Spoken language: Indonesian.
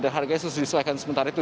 harganya disesuaikan sementara itu